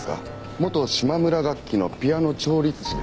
元島村楽器のピアノ調律師です。